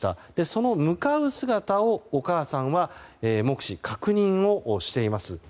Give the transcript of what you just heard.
その向かう姿をお母さんは目視確認をしています。